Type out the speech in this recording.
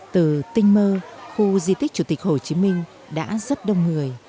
từ tinh mơ khu di tích chủ tịch hồ chí minh đã rất đông người